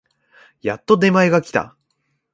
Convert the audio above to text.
やっと出前が来た